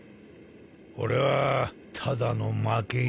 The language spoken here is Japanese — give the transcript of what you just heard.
俺はただの負け犬さ。